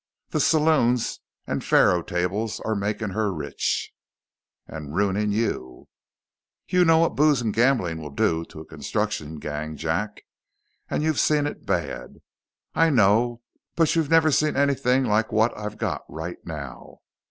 The saloons and faro tables are making her rich." "And ruining you." "You know what booze and gambling will do to a construction gang, Jack. And you've seen it bad, I know, but you've never seen anything like what I've got right now.